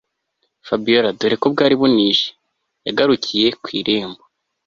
fabiora dore ko bwari bunije yagarukiye kwirembo